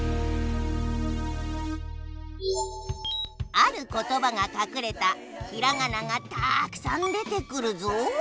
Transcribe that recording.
あることばがかくれたひらがながたくさん出てくるぞ。